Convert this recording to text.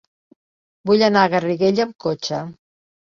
Vull anar a Garriguella amb cotxe.